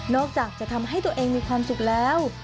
อกจากจะทำให้ตัวเองมีความสุขแล้ว